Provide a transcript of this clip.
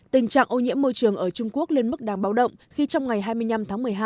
tình trạng ô nhiễm môi trường ở trung quốc lên mức đáng báo động khi trong ngày hai mươi năm tháng một mươi hai